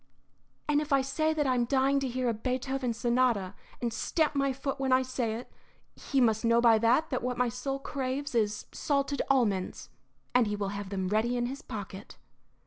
"And if I say that I am dying to hear a Beethoven sonata, and stamp my foot when I say it, he must know by that that what my soul craves is salted almonds; and he will have them ready in his pocket."